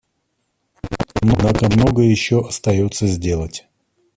Однако многое еще остается сделать.